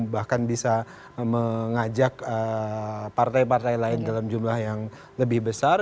bahkan bisa mengajak partai partai lain dalam jumlah yang lebih besar